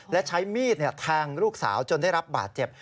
และใช้มีดแทงลูกสาวจนได้รับบาดเจ็บ